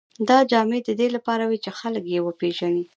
دا جامې د دې لپاره وې چې خلک یې وپېژني.